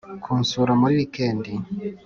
kunsura muri weekend”